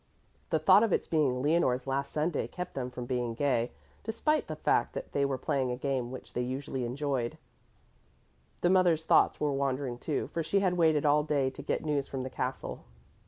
The thought of its being Leonore's last Sunday kept them from being gay, despite the fact that they were playing a game which they usually enjoyed. The mother's thoughts were wandering, too, for she had waited all day to get news from the castle.